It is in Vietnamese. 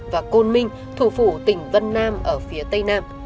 và côn minh thủ phủ tỉnh vân nam ở phía tây nam